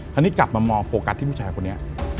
อันนี้กลับมามองโฟกัสที่ผู้ชายคนนี้